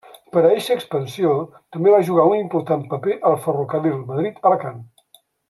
Per a eixa expansió, també va jugar un important paper el ferrocarril Madrid-Alacant.